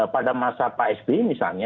pada masa pak sby misalnya